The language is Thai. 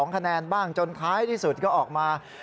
คะแนนบ้างจนท้ายที่สุดก็ออกมา